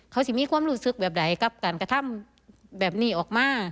เขาจะมีความรู้สึกแบบไหนกับการกระทำแบบนี้ออกมา